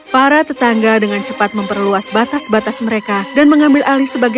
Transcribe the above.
para tetangga dengan cepat memperluas batas batas mereka dan mengambil alih sebagai